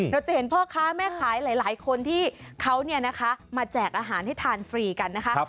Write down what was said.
เราจะเห็นพ่อค้าแม่ขายหลายคนที่เขามาแจกอาหารให้ทานฟรีกันนะคะ